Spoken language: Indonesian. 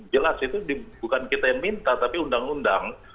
jelas itu bukan kita yang minta tapi undang undang